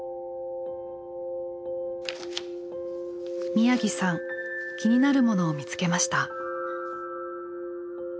宮城さん気になるものを見つけました。